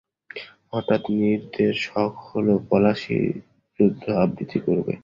হঠাৎ নীরদের শখ হল পলাশির যুদ্ধ আবৃত্তি করবে।